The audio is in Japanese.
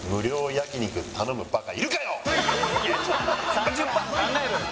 「３０パーも考えろよ」